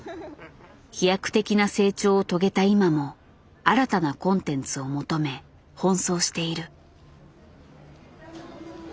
飛躍的な成長を遂げた今も新たなコンテンツを求め奔走している。